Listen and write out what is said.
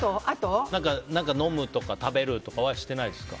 何か飲むとか食べるとかはしてないですか？